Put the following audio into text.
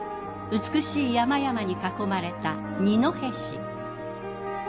美しい山々に囲まれた二戸市。